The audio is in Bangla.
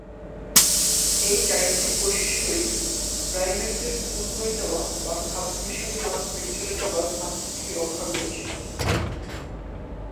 এই চারিত্রিক বৈশিষ্ট্যই প্রাইমেটদের খুন হয়ে যাওয়া বা খাদ্য হিসেবে কারো পেটে চলে যাবার হাত থেকে রক্ষা করেছিল।